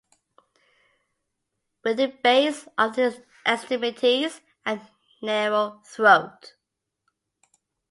With the base of the extremities and narrow throat.